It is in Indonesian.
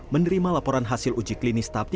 menerima laporan hasil uji klinis tahap tiga